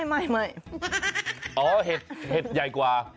อ๋อเห็ดใหญ่กว่า